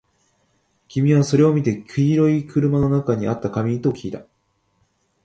君はそれを見て、黄色い車の中にあった紙？ときいた